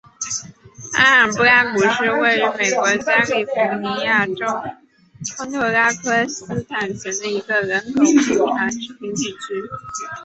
阿罕布拉谷是位于美国加利福尼亚州康特拉科斯塔县的一个人口普查指定地区。